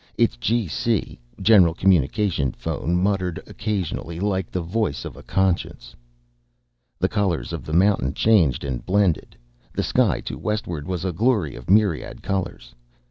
Its G.C. (General Communication) phone muttered occasionally like the voice of conscience. The colors of the mountain changed and blended. The sky to westward was a glory of a myriad colors.